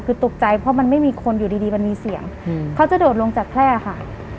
คือตกใจเพราะมันไม่มีคนอยู่ดีมันมีเสียงเขาจะโดดลงจากแพร่ค่ะ